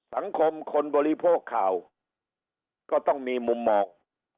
สังคมคนบริโภคข่าวก็ต้องมีมุมมอง